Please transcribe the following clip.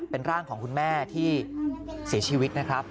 เป็นร่างของคุณแม่ที่เสียชีวิตนะครับ